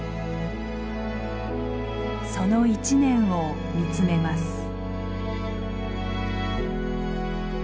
その一年を見つめます。